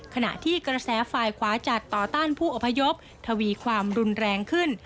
ขณะที่กระแสฝ่ายขวาจัดต่อต้านผู้อพยพทวีความรุนแรงขึ้น